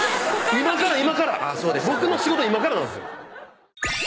今から今から僕の仕事今からなんですよ